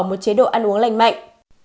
một chế độ ăn uống lành mạnh